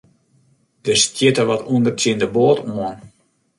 Der stjitte wat ûnder tsjin de boat oan.